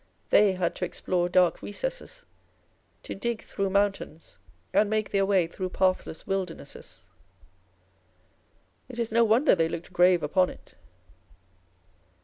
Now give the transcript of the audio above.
They had to explore dark recesses, to dig through mountains, and make their way through pathless wilder nesses. It is no wonder they looked grave upon it.